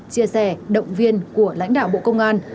chia sẻ động viên của lãnh đạo bộ công an